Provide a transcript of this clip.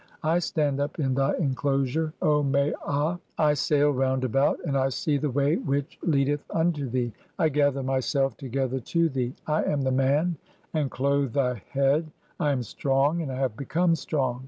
I stand up in thy enclosure, "(5) O Maa, I sail round about, and I see the way [which "leadeth] unto thee. I gather myself together to thee. I am the "Man, and [I] clothe (6) thy head ; I am strong and I have "become strong.